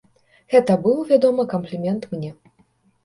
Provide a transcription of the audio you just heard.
Гэта быў, вядома, камплімент мне.